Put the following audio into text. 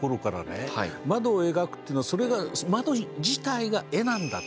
窓を描くというのはそれが窓自体が絵なんだ。